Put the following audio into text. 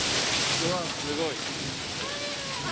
うわっ、すごい。